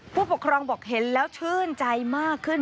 ผู้ปกครองบอกเห็นแล้วชื่นใจมากขึ้น